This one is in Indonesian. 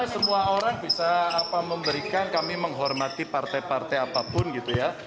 semua orang bisa memberikan kami menghormati partai partai apapun gitu ya